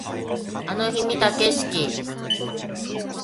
あの日見た景色